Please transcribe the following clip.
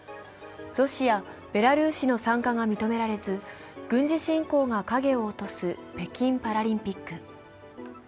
ロシア、ベラルーシの参加が認められず、軍事侵攻が影を落とす北京パラリンピック。